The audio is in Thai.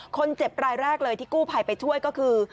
คนเจ็บรายแรกเลยที่กู้ภัยไปช่วยก็คือ